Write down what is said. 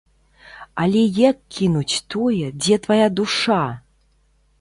Але як кінуць тое, дзе твая душа?